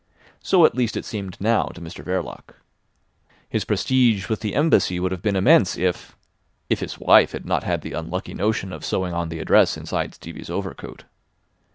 So at least it seemed now to Mr Verloc. His prestige with the Embassy would have been immense if—if his wife had not had the unlucky notion of sewing on the address inside Stevie's overcoat.